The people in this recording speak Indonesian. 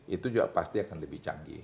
itu juga pasti akan lebih canggih